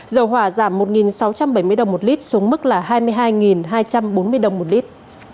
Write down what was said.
dầu hỏa giảm một sáu trăm bảy mươi đồng một lít xuống mức là hai mươi hai hai trăm bốn mươi đồng một lít